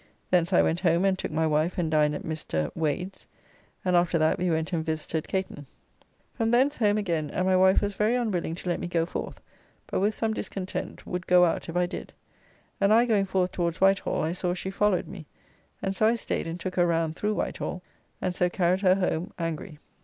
Thence I went home and took my wife and dined at Mr. Wades, and after that we went and visited Catan. From thence home again, and my wife was very unwilling to let me go forth, but with some discontent would go out if I did, and I going forth towards Whitehall, I saw she followed me, and so I staid and took her round through Whitehall, and so carried her home angry.